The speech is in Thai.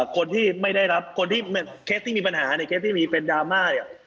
คนที่แบบคนที่มีปัญหาในเคสที่มีเป็นดราม่า